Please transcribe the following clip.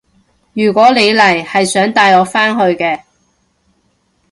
如果你嚟係想帶我返去嘅